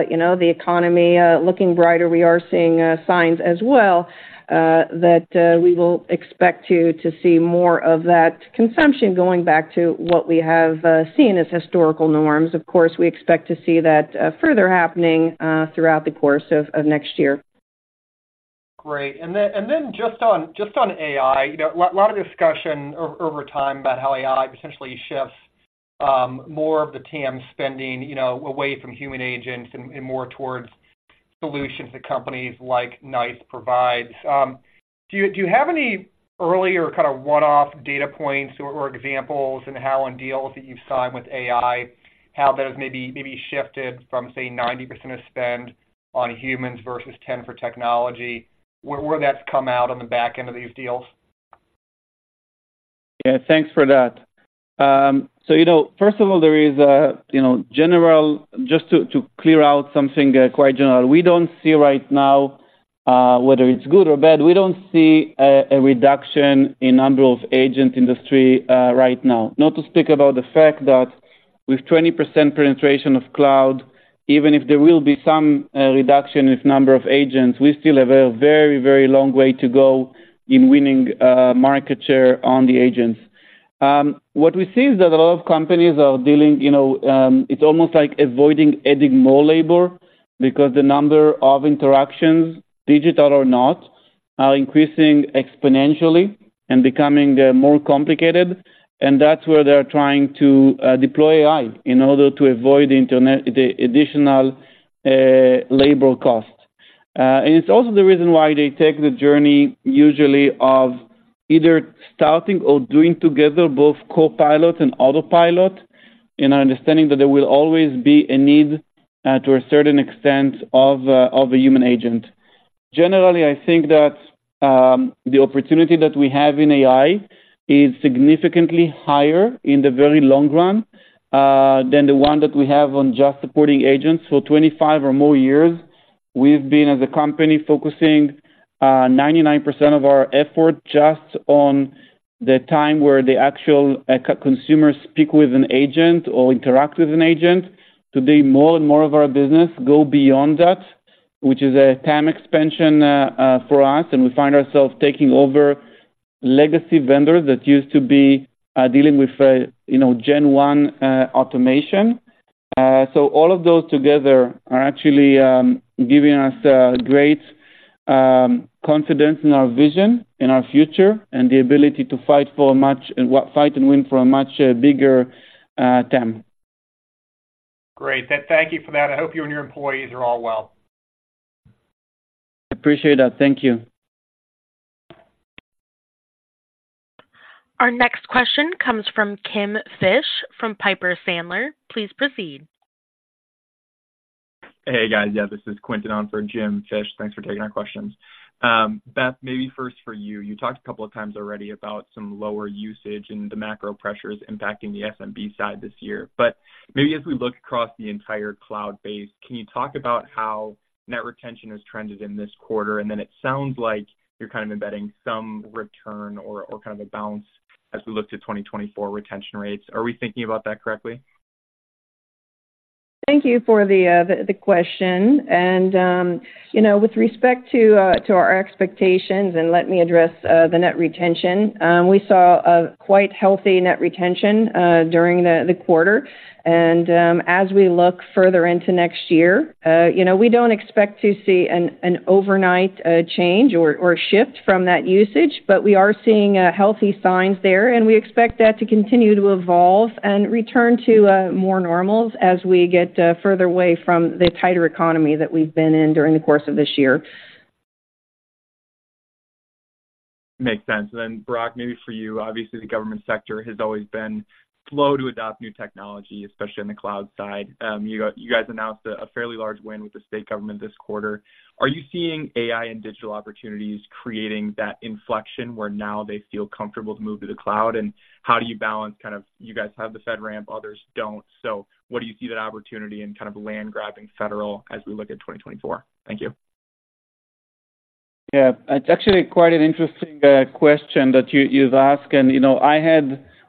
you know, the economy looking brighter, we are seeing signs as well that we will expect to see more of that consumption going back to what we have seen as historical norms. Of course, we expect to see that further happening throughout the course of next year. Great. And then, and then just on, just on AI, you know, lot, lot of discussion over time about how AI potentially shifts more of the TM spending, you know, away from human agents and, and more towards solutions that companies like NICE provides. Do you, do you have any earlier kind of one-off data points or, or examples on how on deals that you've signed with AI, how that has maybe, maybe shifted from, say, 90% of spend on humans versus 10% for technology, where, where that's come out on the back end of these deals? Yeah, thanks for that. So, you know, first of all, there is a you know, general—just to clear out something, quite general. We don't see right now, whether it's good or bad, we don't see a reduction in number of agent industry, right now. Not to speak about the fact that with 20% penetration of cloud, even if there will be some reduction in number of agents, we still have a very, very long way to go in winning market share on the agents. What we see is that a lot of companies are dealing, you know, it's almost like avoiding adding more labor because the number of interactions, digital or not, are increasing exponentially and becoming more complicated, and that's where they're trying to deploy AI in order to avoid internet... The additional labor cost. And it's also the reason why they take the journey usually of either starting or doing together both Copilot and Autopilot, and understanding that there will always be a need to a certain extent of a human agent. Generally, I think that the opportunity that we have in AI is significantly higher in the very long run than the one that we have on just supporting agents. For 25 or more years, we've been, as a company, focusing 99% of our effort just on the time where the actual consumers speak with an agent or interact with an agent. Today, more and more of our business go beyond that, which is a TAM expansion for us, and we find ourselves taking over legacy vendors that used to be dealing with you know, gen one automation. So all of those together are actually giving us great confidence in our vision, in our future, and the ability to fight for a much fight and win for a much bigger TAM. Great. Thank you for that. I hope you and your employees are all well. Appreciate that. Thank you. Our next question comes from Jim Fish from Piper Sandler. Please proceed. Hey, guys. Yeah, this is Quentin on for Jim Fish. Thanks for taking our questions. Beth, maybe first for you. You talked a couple of times already about some lower usage and the macro pressures impacting the SMB side this year. But maybe as we look across the entire cloud base, can you talk about how net retention has trended in this quarter? And then it sounds like you're kind of embedding some return or, or kind of a balance as we look to 2024 retention rates. Are we thinking about that correctly? Thank you for the question. You know, with respect to our expectations, let me address the net retention. We saw a quite healthy net retention during the quarter. As we look further into next year, you know, we don't expect to see an overnight change or shift from that usage, but we are seeing healthy signs there, and we expect that to continue to evolve and return to more normals as we get further away from the tighter economy that we've been in during the course of this year. Makes sense. And then, Barak, maybe for you. Obviously, the government sector has always been slow to adopt new technology, especially on the cloud side. You guys announced a fairly large win with the state government this quarter. Are you seeing AI and digital opportunities creating that inflection, where now they feel comfortable to move to the cloud? And how do you balance kind of, you guys have the FedRAMP, others don't. So what do you see that opportunity and kind of land grabbing federal as we look at 2024? Thank you. Yeah. It's actually quite an interesting question that you, you've asked. And, you know,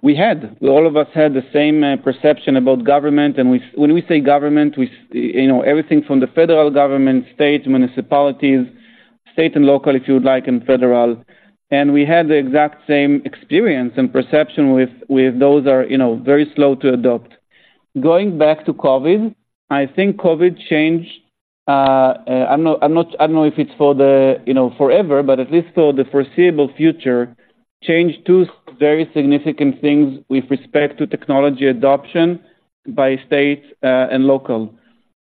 we had, all of us had the same perception about government, and when we say government, we, you know, everything from the federal government, state, municipalities, state and local, if you would like, and federal. And we had the exact same experience and perception with those are, you know, very slow to adopt. Going back to COVID, I think COVID changed. I'm not-- I don't know if it's for the, you know, forever, but at least for the foreseeable future, changed two very significant things with respect to technology adoption by state and local.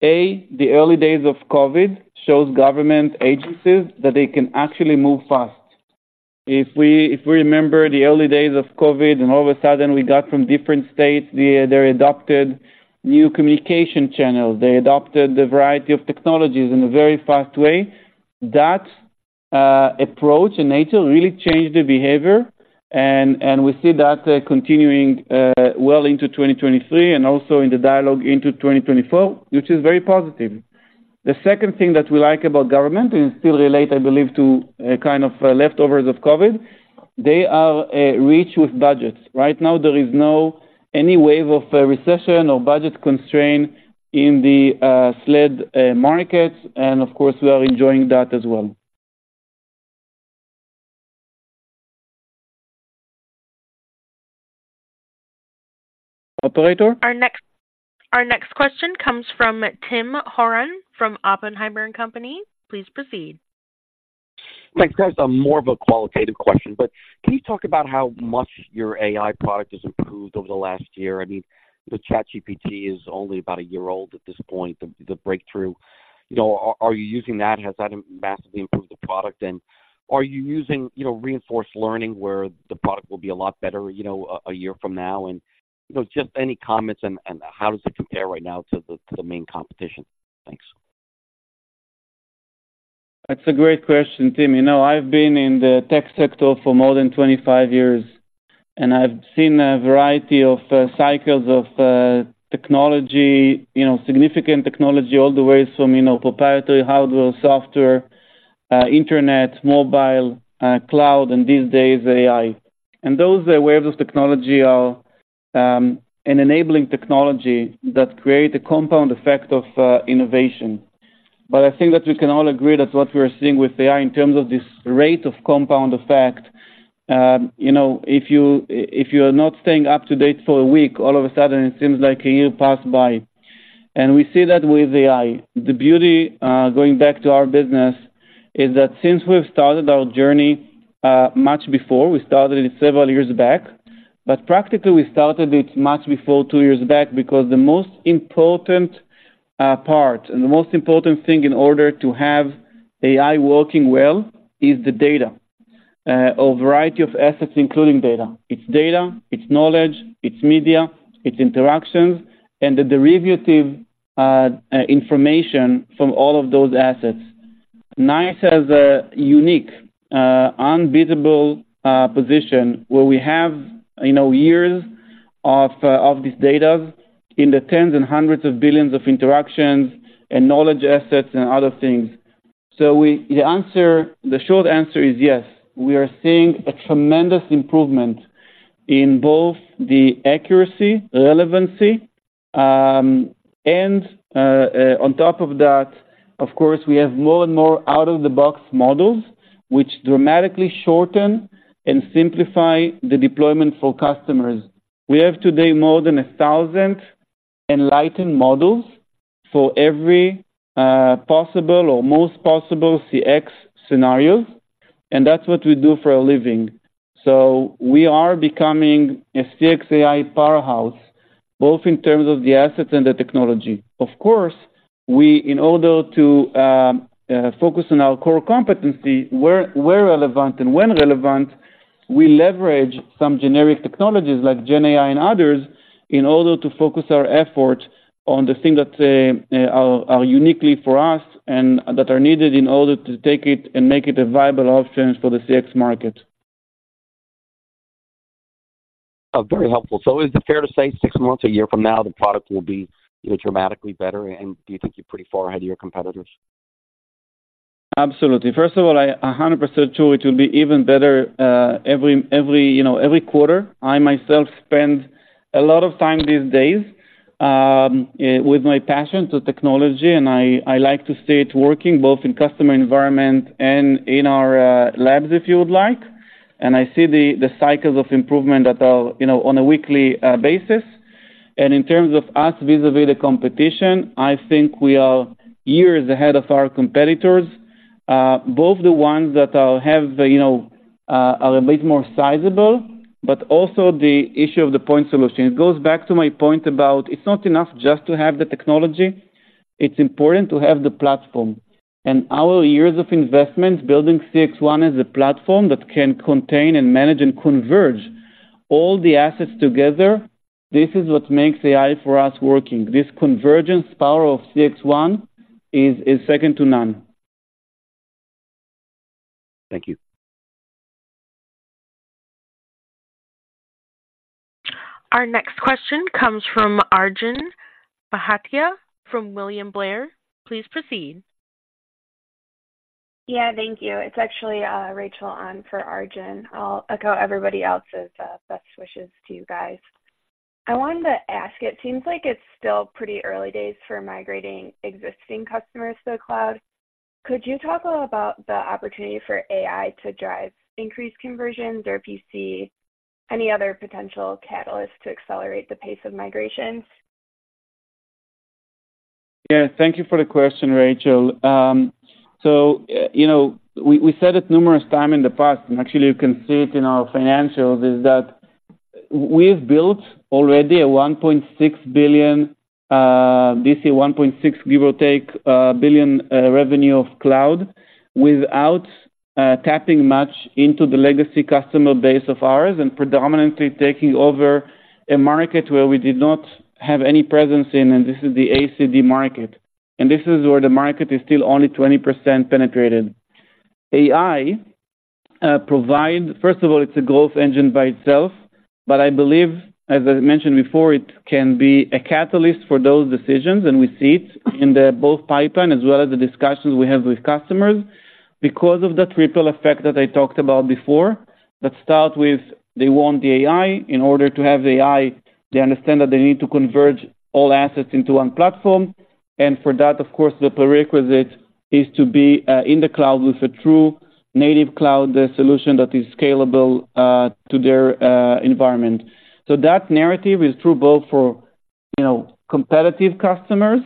A, the early days of COVID shows government agencies that they can actually move fast. If we remember the early days of COVID, and all of a sudden, we got from different states, they adopted new communication channels. They adopted the variety of technologies in a very fast way. That approach and nature really changed the behavior, and we see that continuing well into 2023 and also in the dialogue into 2024, which is very positive. The second thing that we like about government, and it still relate, I believe, to kind of leftovers of COVID, they are rich with budgets. Right now, there is no any wave of a recession or budget constraint in the SLED markets, and of course, we are enjoying that as well. Operator? Our next question comes from Tim Horan from Oppenheimer and Company. Please proceed.... Thanks, guys. More of a qualitative question, but can you talk about how much your AI product has improved over the last year? I mean, the ChatGPT is only about a year old at this point, the breakthrough. You know, are you using that? Has that massively improved the product? And are you using, you know, reinforcement learning, where the product will be a lot better, you know, a year from now? And, you know, just any comments and how does it compare right now to the main competition? Thanks. That's a great question, Tim. You know, I've been in the tech sector for more than 25 years, and I've seen a variety of cycles of technology, you know, significant technology all the way from, you know, proprietary hardware, software, internet, mobile, cloud, and these days, AI. And those waves of technology are an enabling technology that create a compound effect of innovation. But I think that we can all agree that what we are seeing with AI in terms of this rate of compound effect, you know, if you, if you are not staying up to date for a week, all of a sudden it seems like a year passed by, and we see that with AI. The beauty, going back to our business is that since we've started our journey, much before, we started it several years back, but practically we started it much before two years back because the most important, part and the most important thing in order to have AI working well is the data. A variety of assets, including data. It's data, it's knowledge, it's media, it's interactions, and the derivative, information from all of those assets. NICE has a unique, unbeatable, position where we have, you know, years of, of this data in the tens and hundreds of billions of interactions and knowledge assets and other things. So we-- the answer, the short answer is yes. We are seeing a tremendous improvement in both the accuracy, relevancy, and on top of that, of course, we have more and more out-of-the-box models, which dramatically shorten and simplify the deployment for customers. We have today more than 1,000 Enlighten models for every possible or most possible CX scenarios, and that's what we do for a living. So we are becoming a CX AI powerhouse, both in terms of the assets and the technology. Of course, we, in order to focus on our core competency, where relevant and when relevant, we leverage some generic technologies like GenAI and others in order to focus our efforts on the things that are uniquely for us and that are needed in order to take it and make it a viable option for the CX market. Oh, very helpful. So is it fair to say six months, a year from now, the product will be, you know, dramatically better, and do you think you're pretty far ahead of your competitors? Absolutely. First of all, I a hundred percent sure it will be even better, you know, every quarter. I myself spend a lot of time these days with my passion to technology, and I like to see it working both in customer environment and in our labs, if you would like. And I see the cycles of improvement that are, you know, on a weekly basis. And in terms of us vis-à-vis the competition, I think we are years ahead of our competitors, both the ones that are a bit more sizable, but also the issue of the point solution. It goes back to my point about it's not enough just to have the technology, it's important to have the platform. Our years of investment building CXone as a platform that can contain and manage and converge all the assets together, this is what makes AI, for us, working. This convergence power of CXone is second to none. Thank you. Our next question comes from Arjun Bhatia from William Blair. Please proceed. Yeah, thank you. It's actually Rachel on for Arjun. I'll echo everybody else's best wishes to you guys. I wanted to ask, it seems like it's still pretty early days for migrating existing customers to the cloud. Could you talk a little about the opportunity for AI to drive increased conversions or if you see any other potential catalyst to accelerate the pace of migration? Yeah, thank you for the question, Rachel. So you know, we, we said it numerous time in the past, and actually you can see it in our financials, is that we've built already a $1.6 billion ACV 1.6, give or take, billion revenue of cloud without tapping much into the legacy customer base of ours and predominantly taking over a market where we did not have any presence in, and this is the ACD market. And this is where the market is still only 20% penetrated. AI provide, first of all, it's a growth engine by itself, but I believe, as I mentioned before, it can be a catalyst for those decisions, and we see it in the both pipeline as well as the discussions we have with customers. Because of the triple effect that I talked about before, that start with, they want the AI. In order to have AI, they understand that they need to converge all assets into one platform. And for that, of course, the prerequisite is to be in the cloud with a true native cloud solution that is scalable to their environment. So that narrative is true both for, you know, competitive customers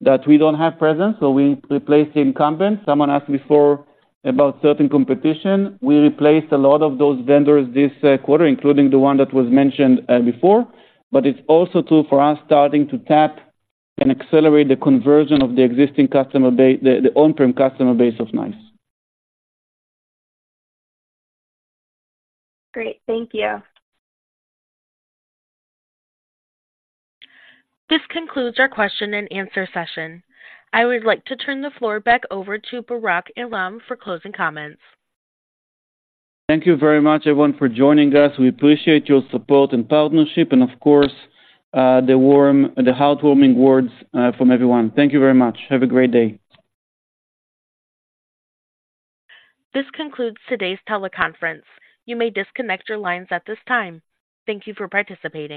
that we don't have presence, so we replace the incumbent. Someone asked before about certain competition. We replaced a lot of those vendors this quarter, including the one that was mentioned before, but it's also true for us starting to tap and accelerate the conversion of the existing customer base, the on-prem customer base of NICE. Great. Thank you. This concludes our question and answer session. I would like to turn the floor back over to Barak Eilam for closing comments. Thank you very much, everyone, for joining us. We appreciate your support and partnership and of course, the warm, the heartwarming words from everyone. Thank you very much. Have a great day. This concludes today's teleconference. You may disconnect your lines at this time. Thank you for participating.